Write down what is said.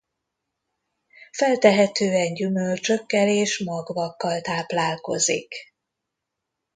Feltehetően gyümölcsökkel és magvakkal táplálkozik.